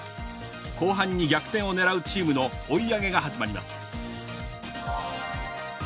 後半に逆転を狙うチームの追い上げが始まります。